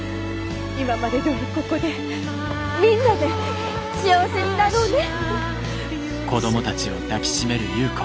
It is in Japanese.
今までどおりここでみんなで幸せになろうね。